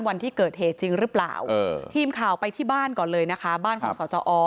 วันที่เกิดเหตุจริงหรือเปล่าทีมข่าวไปที่บ้านก่อนเลยนะคะบ้านของสจอ